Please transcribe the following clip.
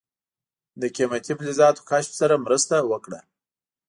د قیمتي فلزاتو کشف سره مرسته وکړه.